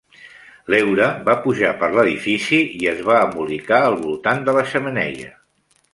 L'heura va pujar per l'edifici i es va embolicar al voltant de la xemeneia.